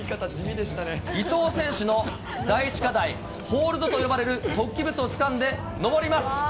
伊藤選手の第１課題、ホールドと呼ばれる突起物をつかんで登ります。